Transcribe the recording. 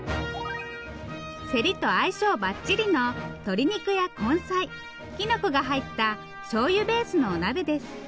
せりと相性ばっちりの鶏肉や根菜きのこが入ったしょうゆベースのお鍋です。